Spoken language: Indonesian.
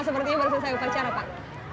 sepertinya baru selesai upacara pak